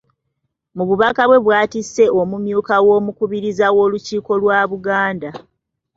Mu bubaka bwe bw'atisse omumyuka w’Omukubiriza w’olukiiko lwa Buganda.